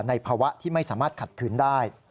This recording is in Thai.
ในภาวะที่ไม่สามารถขัดขืนได้